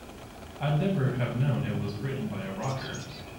I'd never have known it was written by a rocker.